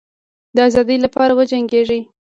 د آزادی لپاره وجنګېږی.